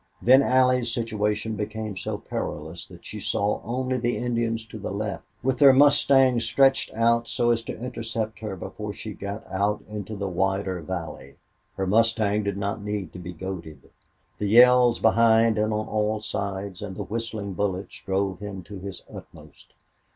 Then Allie's situation became so perilous that she saw only the Indians to the left, with their mustangs stretched out so as to intercept her before she got out into the wider valley. Her mustang did not need to be goaded. The yells behind and on all sides, and the whistling bullets, drove him to his utmost.